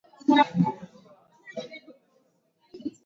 sasa watakuwa na uwezo gani zaidi ya pale hivi anavyosema mutharika